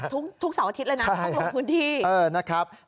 ทุกสองอาทิตย์เลยนะพรบรวมพื้นที่นะครับใช่